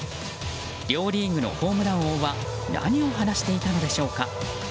両リーグのホームラン王は何を話していたのでしょうか。